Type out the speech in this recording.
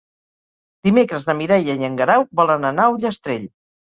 Dimecres na Mireia i en Guerau volen anar a Ullastrell.